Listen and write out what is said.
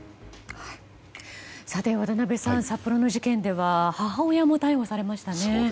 さて、渡辺さん札幌の事件では母親も逮捕されましたね。